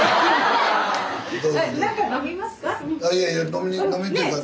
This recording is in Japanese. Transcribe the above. なんか飲みますか？